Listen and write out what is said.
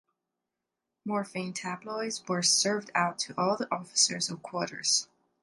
Morphine tabloids were served out to all the officers of quarters.